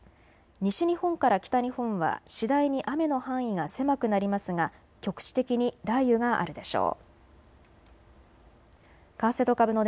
西日本から北日本は次第に雨の範囲が狭くなりますが局地的に雷雨があるでしょう。